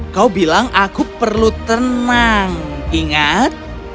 kau bilang aku perlu tenang ingat